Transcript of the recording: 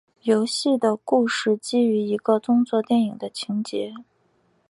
游戏的故事基于一个动作电影的情节。